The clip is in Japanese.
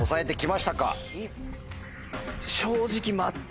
正直。